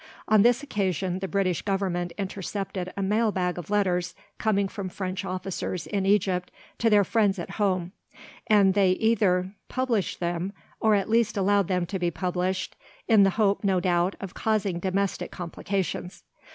On this occasion the British Government intercepted a mail bag of letters coming from French officers in Egypt to their friends at home, and they either published them, or at least allowed them to be published, in the hope, no doubt, of causing domestic complications.